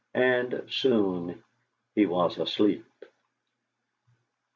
And soon he was asleep.